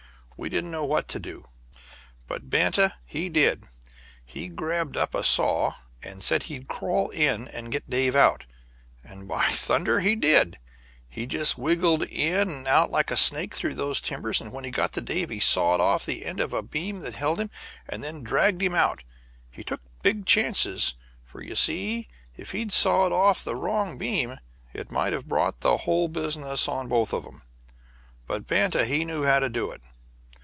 We didn't know what to do, but Banta he did. He grabbed up a saw, and said he'd crawl in and get Dave out. And, by thunder! he did. He just wriggled in and out like a snake through those timbers, and when he got to Dave he sawed off the end of a beam that held him and then dragged him out. He took big chances, for, you see, if he'd sawed off the wrong beam it might have brought down the whole business on both of them. But Banta he knew how to do it.